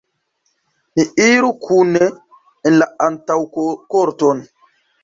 Ni iru kune en la antaŭkorton.